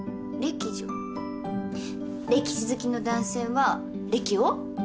歴史好きの男性は歴男？